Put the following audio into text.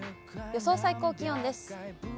予想最高気温です。